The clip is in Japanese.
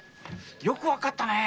よくわかったねえ！